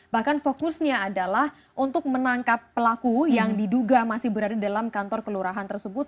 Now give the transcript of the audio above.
bahkan fokusnya adalah untuk menangkap pelaku yang diduga masih berada dalam kantor kelurahan tersebut